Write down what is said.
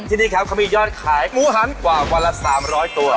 ที่นี่ครับเขามียอดขายหมูหันกว่าวันละ๓๐๐ตัว